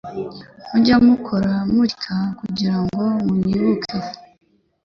mujye mukora mutya kugira ngo munyibuke.